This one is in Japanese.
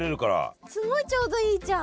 すごいちょうどいいじゃん。